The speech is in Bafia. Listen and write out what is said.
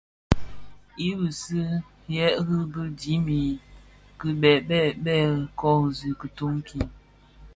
I bisiigherè bi dhim a dhitimbèn lè bè kōōsi itoň ki.